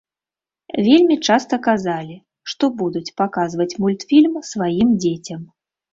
Вельмі часта казалі, што будуць паказваць мультфільм сваім дзецям.